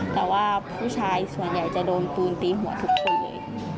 แต่ว่าผู้ชายส่วนใหญ่จะโดนปูนตีหัวทุกปีเลย